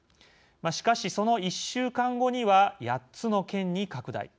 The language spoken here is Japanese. しかし、その１週間後には８つの県に拡大。